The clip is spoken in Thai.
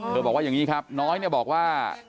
เธอบอกว่าอย่างนี้ครับน้อยบอกว่า